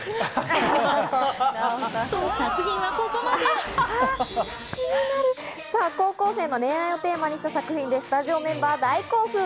すごい！高校生の恋愛をテーマにした作品でしたが、スタジオのメンバーは大興奮。